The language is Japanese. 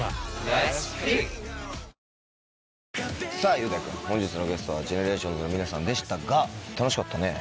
雄大君本日のゲストはＧＥＮＥＲＡＴＩＯＮＳの皆さんでしたが楽しかったね。